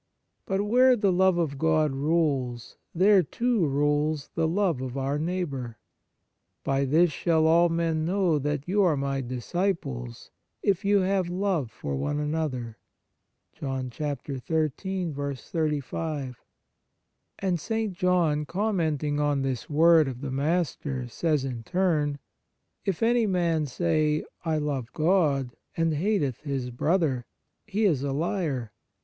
But where the love of God rules, there, too, rules the love of our neigh bour :" By this shall all men know that you are My disciples, if you have love for one another. "f And St. John, commenting on this word of the Master, says in turn :" If any man say, I love God, and hateth his brother, he is a liar.